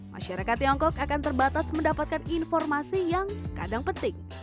masyarakat tiongkok akan terbatas mendapatkan informasi yang kadang penting